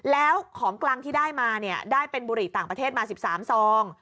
แล้วของกลางที่ได้มาเนี่ยได้เป็นบุหรี่ต่างประเทศมา๑๓ซอง